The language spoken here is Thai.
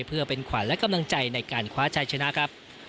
เพื่อเป็นขวัญและกำลังใจในการคว้าชัยชนะครับ